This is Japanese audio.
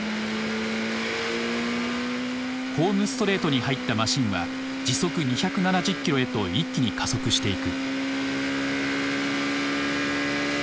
ホームストレートに入ったマシンは時速２７０キロへと一気に加速していく。